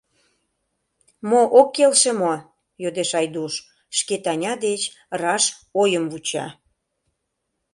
— Мо... ок келше мо? — йодеш Айдуш, шке Таня деч раш ойым вуча.